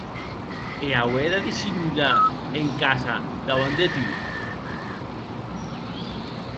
E auer de dissimular en casa dauant de tu!